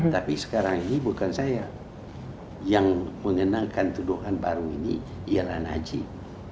tapi sekarang ini bukan saya yang mengenakan tuduhan baru ini ialah najib